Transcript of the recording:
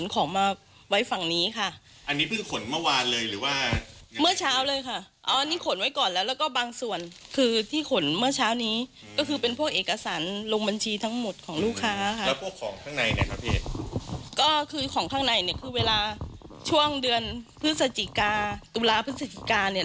ก็คือของลูกค้าค่ะข้างในเนี่ยคือเวลาช่วงเดือนพฤศจิกาตุลาพฤศจิกาเนี่ย